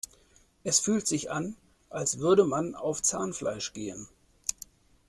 Es fühlt sich an, als würde man auf Zahnfleisch gehen.